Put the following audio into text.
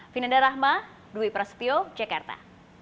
vinanda rahma dwi prasetyo jakarta